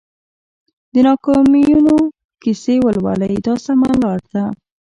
د ناکامیونو کیسې ولولئ دا سمه لار ده.